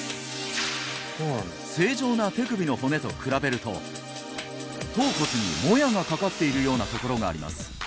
正常な手首の骨と比べると橈骨にモヤがかかっているようなところがあります